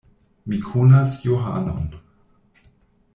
Mi konas Johanon.